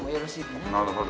なるほど。